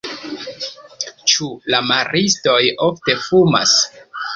Ĉu la maristoj ofte fumas?